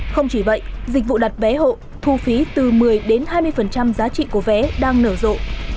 không chỉ vậy dịch vụ đặt vé hộ thu phí từ một mươi đến hai mươi giá trị của vé đang nở rộ